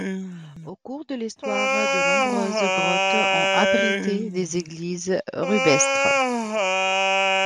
Au cours de l'histoire de nombreuses grottes ont abrité des églises rupestres.